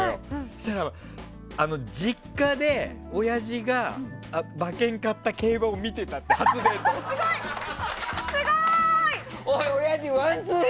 そうしたら、実家で親父が馬券を買った競馬を見てたって、初デート。